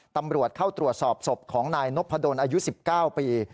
ตำรวจเข้าตรวจสอบศพของนายนพดลอายุ๑๙ปี